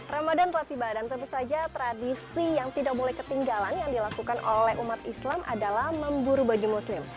ramadan pelatih badan tentu saja tradisi yang tidak boleh ketinggalan yang dilakukan oleh umat islam adalah memburu baju muslim